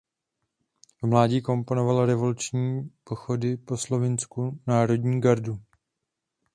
V mládí komponoval revoluční pochody pro slovinskou "Národní gardu".